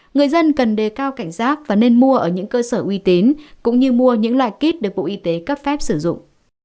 người dân cần đề cao cảnh giác và nên mua ở những cơ sở uy tín cũng như mua những loài kit được bộ y tế cấp phép sử dụng